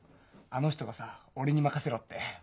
あの人がさ「俺にまかせろ」って。